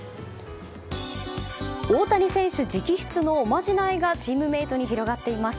大谷選手直筆のおまじないがチームメートに広がっています。